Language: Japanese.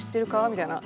みたいな。